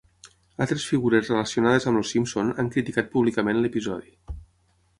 Altres figures relacionades amb Els Simpson han criticat públicament l'episodi.